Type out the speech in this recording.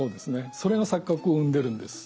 それが錯覚を生んでるんです。